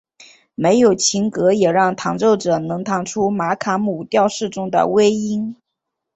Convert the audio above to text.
没有琴格也让弹奏者能弹出玛卡姆调式中的微音。